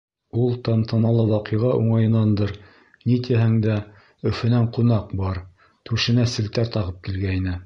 Ул тантаналы ваҡиға уңайынандыр, ни тиһәң дә, Өфөнән ҡунаҡ бар, түшенә селтәр тағып килгәйне.